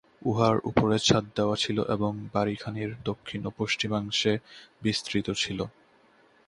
উহার উপরে ছাদ দেওয়া ছিল, এবং উহা বাড়ীখানির দক্ষিণ ও পশ্চিমাংশে বিস্তৃত ছিল।